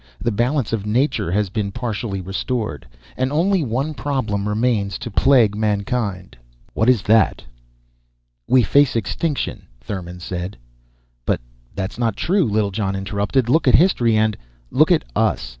The balance of Nature has been partially restored. And only one problem remains to plague mankind." "What is that?" "We face extinction," Thurmon said. "But that's not true," Littlejohn interrupted. "Look at history and " "Look at us."